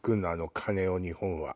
鐘を日本は。